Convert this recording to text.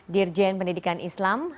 dirjen pendidikan islam